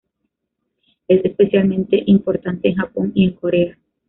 Es especialmente importante en Japón y en Corea.